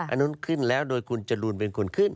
อันนั้นขึ้นแล้วโดยคุณจรูนเป็นคนขึ้น